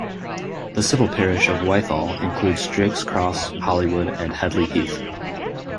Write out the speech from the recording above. The civil parish of Wythall includes Drake's Cross, Hollywood and Headley Heath.